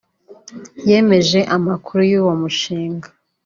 yemeje amakuru y’uwo mushinga